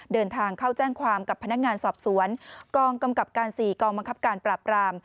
เดินทางเข้าแจ้งความกับพนักงานสอบสวนกองกำกับการ๔กองบังคับการปราบราม